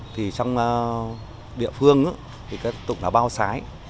thì trong địa phương thì tiếp tục là bao sái